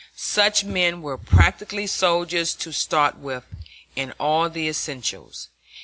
Such men were practically soldiers to start with, in all the essentials.